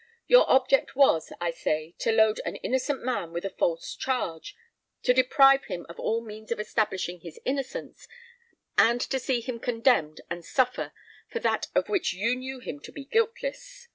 Your object was, I say, to load an innocent man with a false charge, to deprive him of all means of establishing his innocence, and to see him condemned and suffer for that of which you knew him to be guiltless."